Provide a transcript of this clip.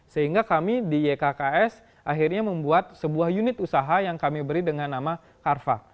sehingga kami di ykks akhirnya membuat sebuah unit usaha yang kami beri dengan nama carva